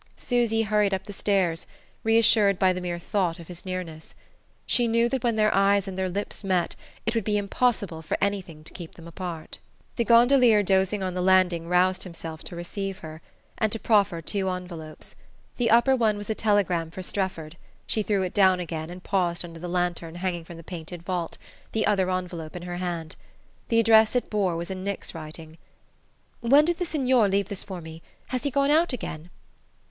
Susy hurried up the stairs, reassured by the mere thought of his nearness. She knew that when their eyes and their lips met it would be impossible for anything to keep them apart. The gondolier dozing on the landing roused himself to receive her, and to proffer two envelopes. The upper one was a telegram for Strefford: she threw it down again and paused under the lantern hanging from the painted vault, the other envelope in her hand. The address it bore was in Nick's writing. "When did the signore leave this for me? Has he gone out again?"